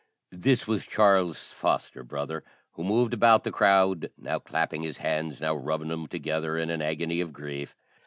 This was Charles's foster brother, who moved about the crowd, now clapping his hands, now rubbing them together in an agony of grief.